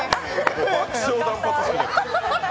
爆笑断髪式。